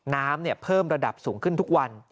น้ำเพิ่มระดับสูงขึ้นทุกวัน